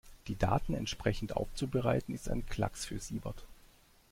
Die Daten entsprechend aufzubereiten, ist ein Klacks für Siebert.